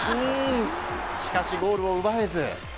しかしゴールを奪えず。